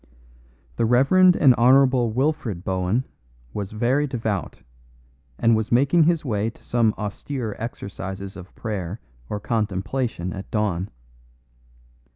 The Rev. and Hon. Wilfred Bohun was very devout, and was making his way to some austere exercises of prayer or contemplation at dawn.